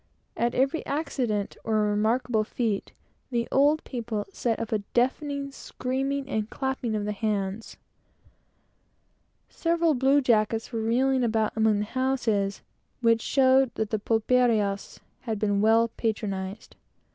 At every accident, or remarkable feat, the old people set up a deafening screaming and clapping of hands. Several blue jackets were reeling about among the houses, which showed that the pulperias had been well patronized.